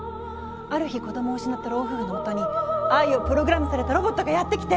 ある日子どもを失った老夫婦のもとに愛をプログラムされたロボットがやって来て。